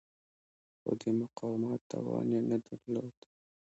خو د مقاومت توان یې نه درلود.